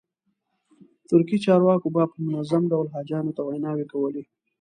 ترکي چارواکو به په منظم ډول حاجیانو ته ویناوې کولې.